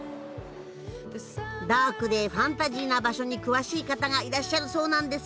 ダークでファンタジーな場所に詳しい方がいらっしゃるそうなんです。